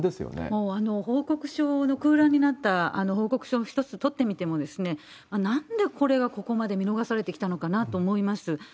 もう報告書の空欄になった、あの報告書一つ取ってみても、なんでこれがここまで見逃されてきたのかなと思います。